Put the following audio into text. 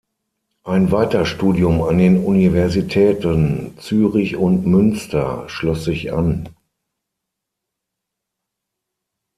Ein Weiterstudium an den Universitäten Zürich und Münster schloss sich an.